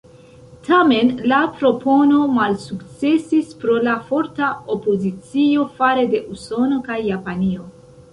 Tamen, la propono malsukcesis pro la forta opozicio fare de Usono kaj Japanio.